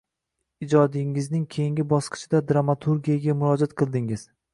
Ijodingizning keyingi bosqichida dramaturgiyaga murojaat qildingiz